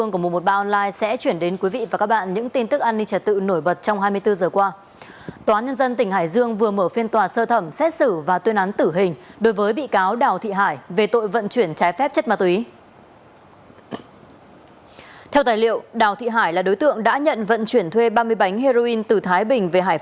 cảm ơn các bạn đã theo dõi